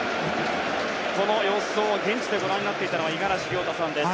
この様子を現地でご覧になっていたのは五十嵐亮太さんです。